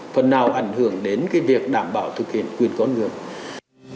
phần nào ảnh hưởng đến việc đảm bảo thực hiện quyền con người